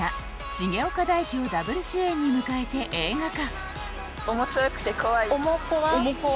重岡大毅をＷ主演に迎えて映画化